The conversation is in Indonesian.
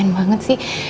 kamu kasihan banget sih